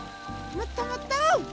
もっともっと！